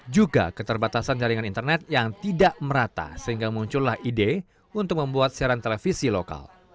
juga keterbatasan jaringan internet yang tidak merata sehingga muncullah ide untuk membuat siaran televisi lokal